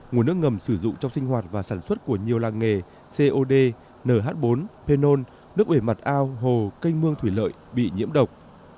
nguồn nước ngầm sử dụng trong sinh hoạt và sản xuất của nhiều làng nghề cod nh bốn hê nôn nước bể mặt ao hồ canh mương thủy lợi bị nhiễm độc